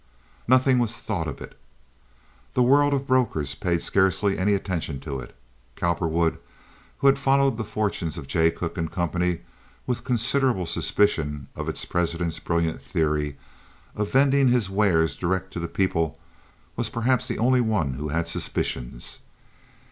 Nothing was thought of it. The world of brokers paid scarcely any attention to it. Cowperwood, who had followed the fortunes of Jay Cooke & Co. with considerable suspicion of its president's brilliant theory of vending his wares direct to the people—was perhaps the only one who had suspicions.